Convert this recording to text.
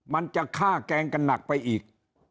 มันจะฆ่าแกล้งกันหนักไปอีก